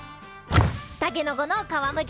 たけのこの皮むき。